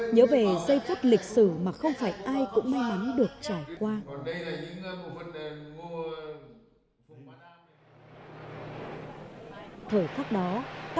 nhớ về giây phút lịch sử mà không phải ai cũng may mắn được trải qua